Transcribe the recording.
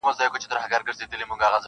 • نن له سرو میو نشې تللي دي مستي ویده ده -